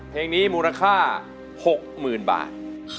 เพลงนี้มูลค่า๖หมื่นบาท